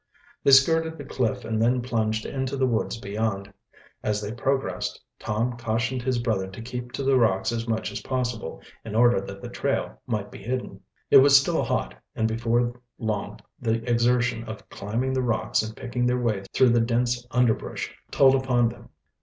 They skirted the cliff and then plunged into the woods beyond. As they progressed Tom cautioned his brother to keep to the rocks as much as possible, in order that the trail might be hidden. It was still hot, and before long the exertion of climbing the rocks and picking their way through the dense underbrush told upon them.